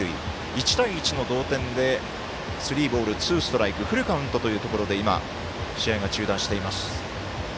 １対１の同点でスリーボール、ツーストライクフルカウントというところで試合が中断しています。